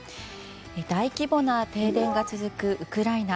大規模な停電が続くウクライナ。